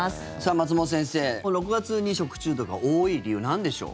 松本先生、６月に食中毒が多い理由、なんでしょう？